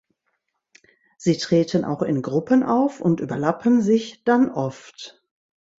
Sie treten auch in Gruppen auf und überlappen sich dann oft.